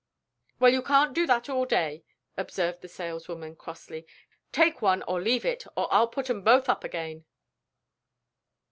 "Well, you can't do that all day," observed the saleswoman, crossly. "Take one, or leave it, or I'll put 'em both up again."